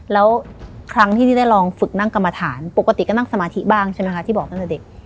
แล้วครั้งที่ที่ได้ลองฝึกนั่งกรรมฐานปกติก็นั่งสมาธิบ้างใช่ไหมคะที่บอกตั้งแต่เด็ก